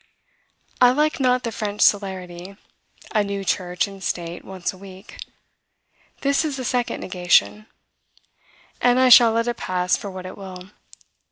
I like not the French celerity, a new church and state once a week. This is the second negation; and I shall let it pass for what it will.